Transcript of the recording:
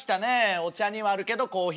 お茶にはあるけどコーヒーにはない。